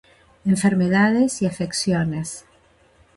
Enfermedades y afecciones